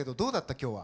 今日は。